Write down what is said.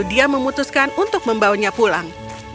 dia mencari orang yang berada di dalam rumah